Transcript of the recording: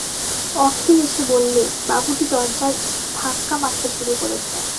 অখিল এসে বললে, বাবুটি দরজায় ধাক্কা মারতে শুরু করেছে।